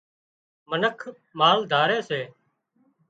منک مال ڌاري سي